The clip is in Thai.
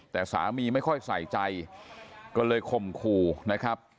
แต่สามีไม่ค่อยใส่ใจก็เลยข่มขู่นะครับ